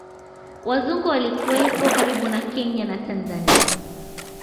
Wazungu walikuwepo karibu na Kenya na Tanzania